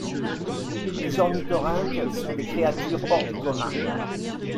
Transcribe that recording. Les ornithorynques sont des créatures hors du commun.